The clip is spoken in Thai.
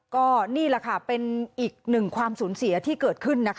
ก็นี่แหละค่ะเป็นอีกหนึ่งความสูญเสียที่เกิดขึ้นนะคะ